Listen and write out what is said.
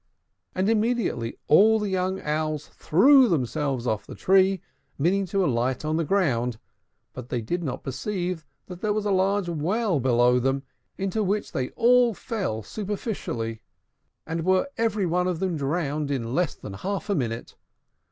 And immediately all the young Owls threw themselves off the tree, meaning to alight on the ground; but they did not perceive that there was a large well below them, into which they all fell superficially, and were every one of them drowned in less than half a minute.